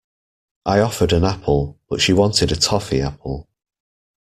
I offered an apple, but she wanted a toffee apple.